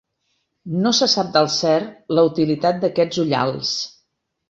No se sap del cert la utilitat d'aquests ullals.